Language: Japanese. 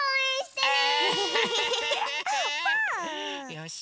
よし！